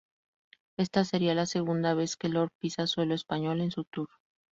Esta sería la segunda vez que Lorde pisa suelo español en su tour.